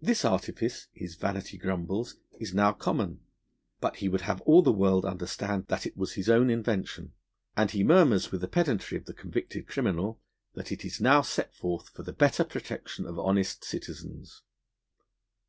This artifice, his vanity grumbles, is now common; but he would have all the world understand that it was his own invention, and he murmurs with the pedantry of the convicted criminal that it is now set forth for the better protection of honest citizens.